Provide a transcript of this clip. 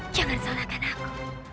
jangan salahkan aku